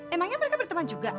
emangnya mereka berteman juga